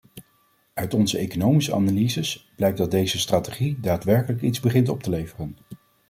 Uit onze economische analyses blijkt dat deze strategie daadwerkelijk iets begint op te leveren.